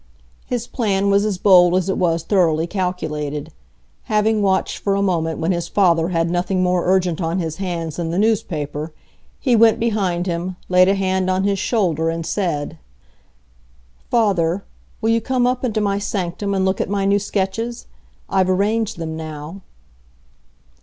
His plan was as bold as it was thoroughly calculated. Having watched for a moment when his father had nothing more urgent on his hands than the newspaper, he went behind him, laid a hand on his shoulder, and said,— "Father, will you come up into my sanctum, and look at my new sketches? I've arranged them now."